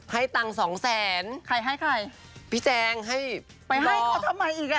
ให้ตังสองแสนพี่ลอไปให้ก็ทำไมอีกล่ะพี่แจงให้พี่ลอ